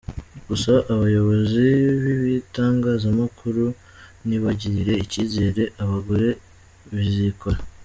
Gusa abayobozi b’ibitangazamakuru nibagirire icyizere abagore bizikora.